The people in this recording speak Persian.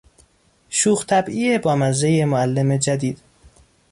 شوخ طبعی بامزهی معلم جدید